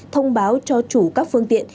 thông báo cho chủ các phương tiện